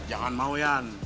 jangan mau ya